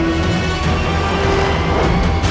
aku akan mengunggurkan ibumu sendiri